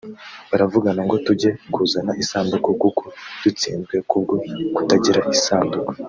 baravugana ngo tujye kuzana isanduku kuko dutsinzwe k’ubwo kutagira isanduku